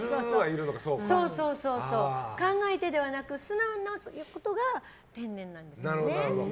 考えてではなく素直なことが天然なんですよね。